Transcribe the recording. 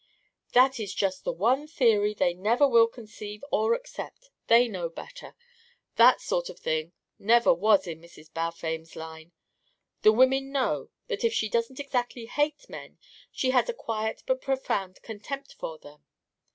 "That is just the one theory they never will conceive or accept. They know better. That sort of thing never was in Mrs. Balfame's line. The women know that if she doesn't exactly hate men, she has a quiet but profound contempt for them.